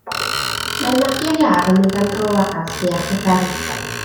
Mae Magi'r iâr yn mynd am dro ar draws fuarth y fferm.